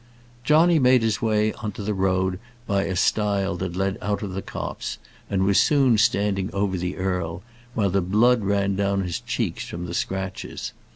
Johnny made his way on to the road by a stile that led out of the copse, and was soon standing over the earl, while the blood ran down his cheeks from the scratches.